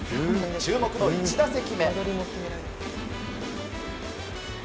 注目の１打席目。